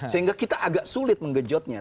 sehingga kita agak sulit menggejotnya